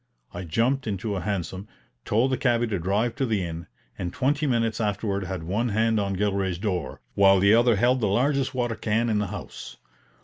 I jumped into a hansom, told the cabby to drive to the inn, and twenty minutes afterward had one hand on Gilray's door, while the other held the largest water can in the house.